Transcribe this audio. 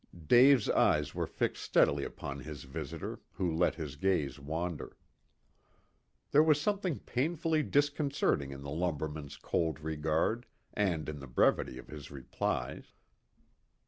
Dave's eyes were fixed steadily upon his visitor, who let his gaze wander. There was something painfully disconcerting in the lumberman's cold regard, and in the brevity of his replies.